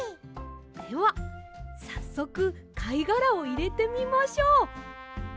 ではさっそくかいがらをいれてみましょう。